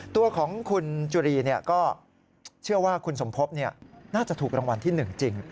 ตัวของคุณจุรีก็เชื่อว่าคุณสมภพน่าจะถูกรางวัลที่๑จริง